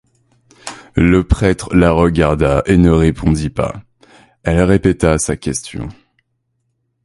Le prêtre la regarda et ne répondit pas ; elle répéta sa question.